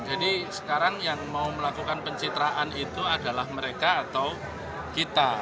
jadi sekarang yang mau melakukan pencitraan itu adalah mereka atau kita